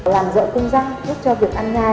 làm dỡ cung răng giúp cho việc ăn nhai